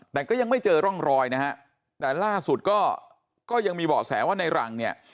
แต่ก็ยังไม่เจอร่องรอยนะฮะแต่ล่าสุดก็ก็ยังมีเบาะแสว่าในรังเนี่ย